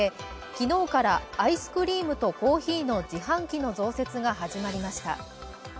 昨日からアイスクリームとコーヒーの自販機の増設が始まりました。